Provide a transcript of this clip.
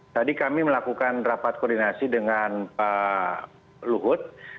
tadi kami melakukan rapat koordinasi dengan pak luhut